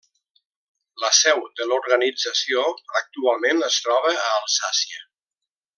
La seu de l'organització, actualment es troba a Alsàcia.